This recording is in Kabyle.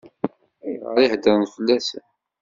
Ayɣer i heddṛen fell-asen?